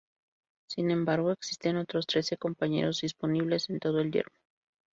Sin embargo, existen otros trece compañeros disponibles en todo el yermo.